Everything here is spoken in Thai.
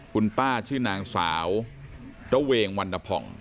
คุณป้าชื่อนางสาวระเวงวันดผ่อง